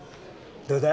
どうだ？